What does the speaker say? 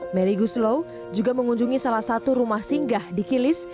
melly guslow juga mengunjungi salah satu rumah singgah di kilis